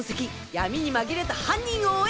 闇にまぎれた犯人を追え！